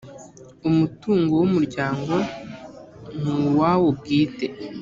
umutungo w‘umuryango ni uwawo bwite